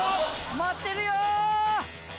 待ってるよ！